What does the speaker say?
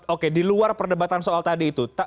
oke di luar perdebatan soal tadi itu